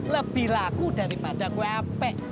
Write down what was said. lebih laku daripada kuepe